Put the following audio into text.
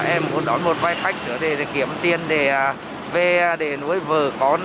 em muốn đón một vài khách nữa để kiếm tiền để về để nuôi vợ con